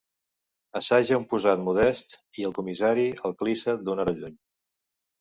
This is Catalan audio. Assaja un posat modest i el comissari el clissa d'una hora lluny.